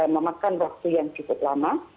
memakan waktu yang cukup lama